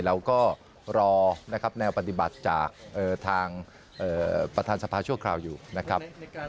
เราก็รอนะครับแนวปฏิบัติจากทางประธานสภาชั่วคราวอยู่นะครับ